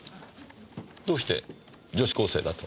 どうして女子高生だと？